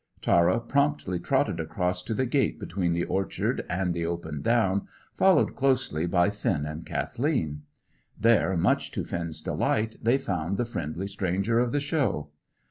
Tara promptly trotted across to the gate between the orchard and the open down, followed closely by Finn and Kathleen. There, much to Finn's delight, they found the friendly stranger of the Show.